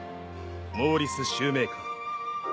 「モーリスシューメーカー」